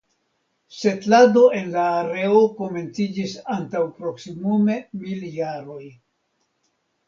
Setlado en la areo komenciĝis antaŭ proksimume mil jaroj.